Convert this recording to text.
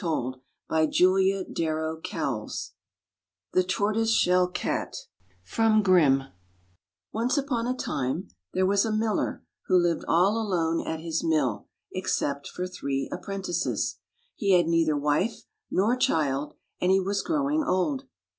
[ 88 ] THE TORTOISE SHELL CAT NCE upon a time there was a Miller who lived all alone at his mill, except for three apprentices. He had neither wife nor child, and he was growing old.